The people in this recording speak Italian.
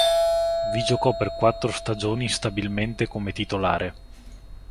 Vi giocò per quattro stagioni stabilmente come titolare.